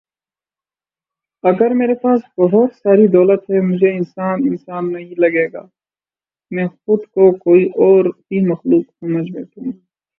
اگر میرے پاس بہت ساری دولت ہے مجھے انسان انسان نہیں لگے گا۔۔ می خود کو کوئی اور ہی مخلوق سمجھ بیٹھوں گا